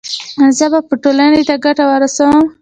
ایا زه به ټولنې ته ګټه ورسوم؟